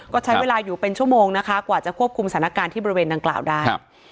ก็ใช้เวลาอยู่เป็นชั่วโมงนะคะกว่าจะควบคุมสถานการณ์ที่บริเวณดังกล่าวได้